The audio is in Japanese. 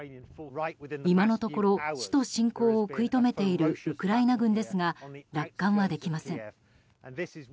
今のところ、首都侵攻を食い止めているウクライナ軍ですが楽観はできません。